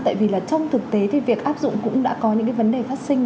tại vì là trong thực tế thì việc áp dụng cũng đã có những cái vấn đề phát sinh